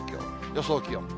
予想気温。